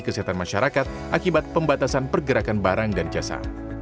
kesehatan masyarakat akibat pembatasan pergerakan barang dan jasa